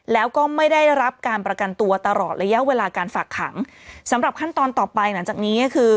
แล้วก็ไม่ได้รับการประกันตัวตลอดระยะเวลาการฝากขังสำหรับขั้นตอนต่อไปหลังจากนี้ก็คือ